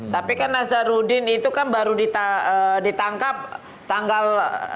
tapi kan nazarudin itu kan baru ditangkap tanggal